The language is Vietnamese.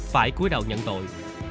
phải cuối đầu nhận tội